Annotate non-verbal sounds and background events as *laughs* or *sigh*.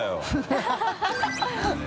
ハハハ *laughs*